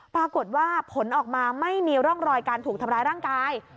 ปรากฏว่าผลออกมาไม่มีร่องรอยการถูกทำร้ายร่างกาย